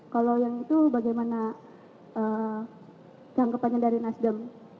kalau yang itu bagaimana tanggapannya dari nasdem